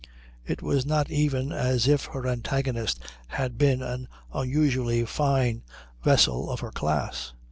It was not even as if her antagonist had been an unusually fine vessel of her class.